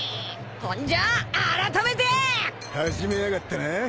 ほんじゃあらためて！始めやがったな。